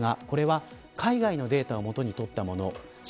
これは、海外のデータをもとにとったもの。